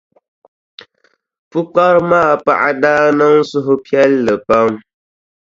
Pukpara maa paɣa daa niŋ suhupiɛlli pam.